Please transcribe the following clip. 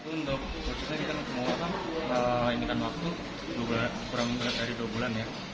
untuk prosesnya kita menggunakan menginginkan waktu kurang lebih dari dua bulan ya